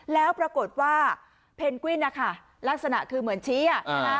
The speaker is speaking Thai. แล้วปรากฏว่าเพนกวิ้นนะคะลักษณะคือเหมือนชี้